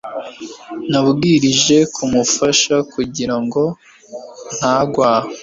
Nabwirijwe kumufata kugirango ntagwa.